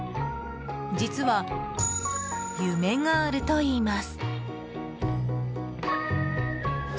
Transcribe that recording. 実は、夢があるといいます。